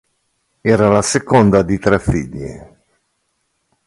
Era la seconda di tre figli.